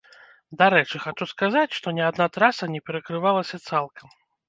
Дарэчы, хачу сказаць, што ні адна траса не перакрывалася цалкам.